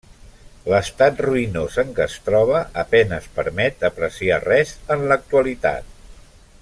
L'estat ruïnós en què es troba a penes permet apreciar res, en l'actualitat.